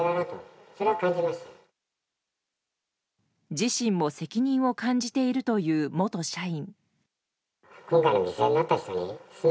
自身も責任を感じているという元社員。